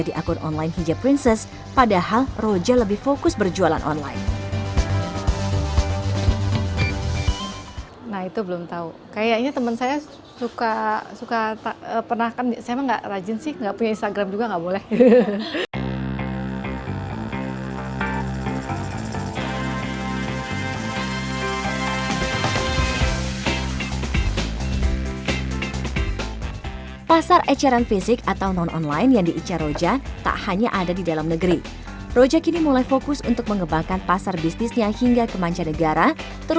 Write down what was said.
tapi op ngo darimu itu lebih dekat